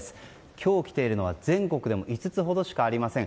今日来ているのは、全国でも５つほどしかありません